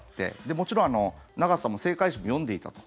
もちろん永瀬さんも正解手を読んでいたと。